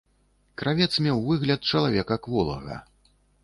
Кравец меў выгляд чалавека кволага.